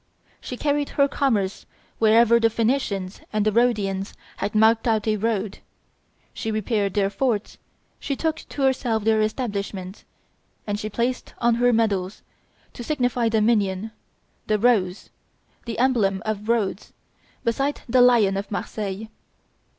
She carried her commerce wherever the Phoenicians and the Rhodians had marked out a road; she repaired their forts; she took to herself their establishments; and she placed on her medals, to signify dominion, the rose, the emblem of Rhodes, beside the lion of Marseilles.